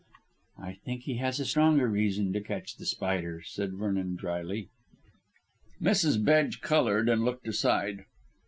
"I think he has a stronger reason to catch The Spider," said Vernon drily. Mrs. Bedge coloured and looked aside.